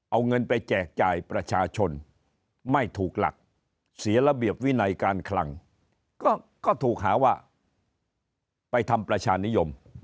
เอาเงินไปแจกจ่ายประชาชนไม่ถูกหลักเสียระเบียบวินัยการคลังก็ถูกหาว่าไปทำประชานิยม